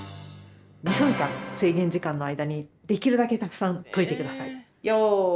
２分間制限時間の間にできるだけたくさん解いて下さい。